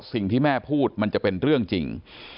สิ่งที่แม่พูดมันจะเป็นเรื่องจริง